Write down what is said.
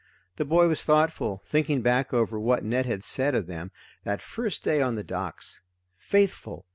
The boy was thoughtful, thinking back over what Ned had said of them, that first day on the docks: Faithful!